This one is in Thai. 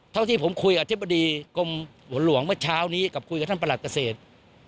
เท่าที่ผมคุยกับอธิบดีกรมหัวหลวงเมื่อเช้านี้กับคุยกับท่านประหลัดเกษตร